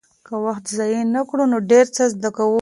که وخت ضایع نه کړو نو ډېر څه زده کوو.